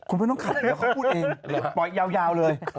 คุณไม่ต้องขับเดี๋ยวเขาพูดเองปล่อยยาวเลย